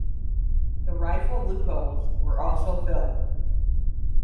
The rifle loopholes were also filled.